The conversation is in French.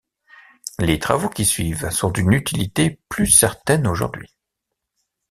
Les travaux qui suivent sont d'une utilité plus certaine aujourd'hui.